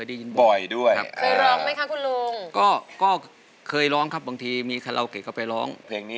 นี่โดยละยังไม่ต้องถามทั้งล่างล่ะถามหนูนะ